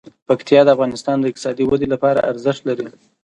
پکتیکا د افغانستان د اقتصادي ودې لپاره ارزښت لري.